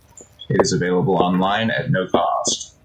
It is available online, at no cost.